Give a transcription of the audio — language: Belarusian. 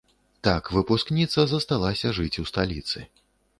Так выпускніца засталася жыць ў сталіцы.